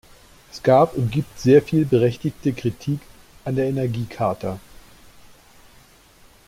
Es gab und gibt sehr viel berechtigte Kritik an der Energiecharta.